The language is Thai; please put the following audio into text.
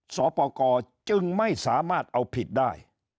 สอบประกอบจึงไม่สามารถเอาผิดได้